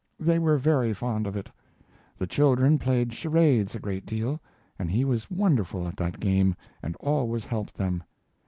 They were very fond of it. The children played charades a great deal, and he was wonderful at that game and always helped them.